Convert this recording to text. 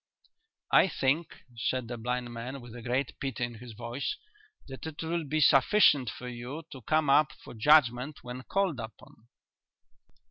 "I think," said the blind man, with a great pity in his voice, "that it will be sufficient for you to come up for Judgment when called upon."